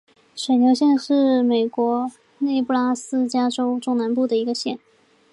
水牛县是美国内布拉斯加州中南部的一个县。